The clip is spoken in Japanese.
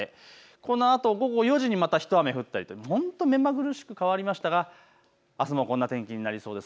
このあと午後４時にまたひと雨降ったりと本当に目まぐるしく変わりましたがあすもこんな天気になりそうです。